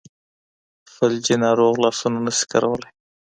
فلجي ناروغ لاسونه نشي کارولی.